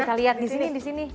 kita liat disini disini